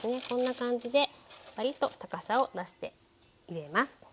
こんな感じでわりと高さを出して入れます。